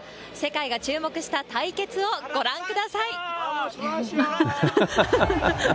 世界が注目した対決をご覧ください。